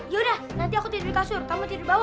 yaudah nanti aku tidur di kasur kamu tidur di bawah